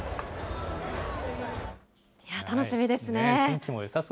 楽しみですね。